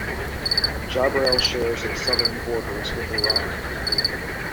Jabrail shares its southern borders with Iran.